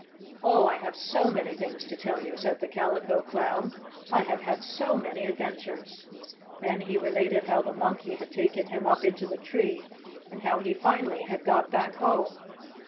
"Oh, I have so many things to tell you!" said the Calico Clown. "I have had so many adventures!" Then he related how the monkey had taken him up into the tree and how finally he had got back home.